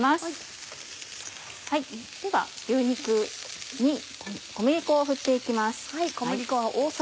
では牛肉に小麦粉を振って行きます。